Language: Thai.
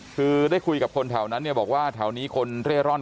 คือได้คุยกับคนแถวนั้นเนี่ยบอกว่าแถวนี้คนเร่ร่อน